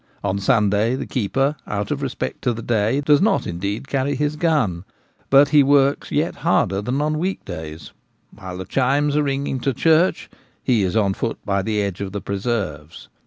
On Sunday the keeper, out of respect to the day, does not indeed carry his gun, but he works yet harder than on week days. While the chimes are ringing to •church he is on foot by the edge of the preserves.